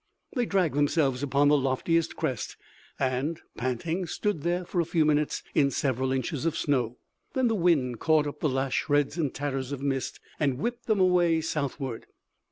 They dragged themselves upon the loftiest crest, and, panting, stood there for a few minutes in several inches of snow. Then the wind caught up the last shreds and tatters of mist, and whipped them away southward.